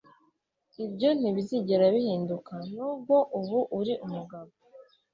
ibyo ntibizigera bihinduka, nubwo ubu uri umugabo